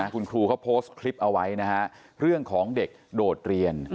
คุณครูเขาโพสต์คลิปเอาไว้นะฮะเรื่องของเด็กโดดเรียน